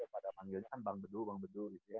pada manggilnya kan bang bedu bang bedu gitu ya